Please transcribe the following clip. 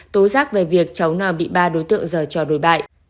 tố giác về việc cháu n bị ba đối tượng dở cho đối bại